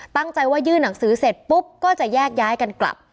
ตั้งใจว่ายื่นหนังสือเสร็จปุ๊บก็จะแยกย้ายกันกลับ